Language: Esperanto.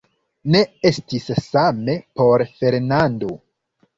Ne estis same por Fernando.